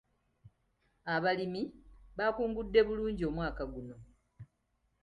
Abalimi baakungudde bulungi omwaka guno.